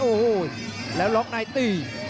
โอ้โหแล้วล็อกในตี